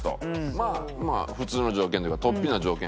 まあ普通の条件というか突飛な条件